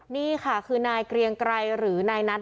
นี่ค่ะคือนายเกรียงไกรหรือนายนัท